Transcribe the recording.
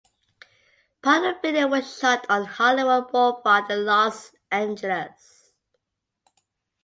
Part of the video was shot on Hollywood Boulevard in Los Angeles.